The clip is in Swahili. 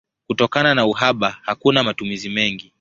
Kutokana na uhaba hakuna matumizi mengi.